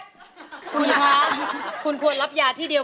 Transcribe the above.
ใช้